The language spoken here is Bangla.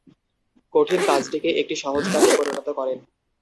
কঠিন কাজটিকে একটি সহজ কাজে পরিণত করেন।